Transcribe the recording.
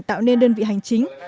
tạo nên đơn vị hành chính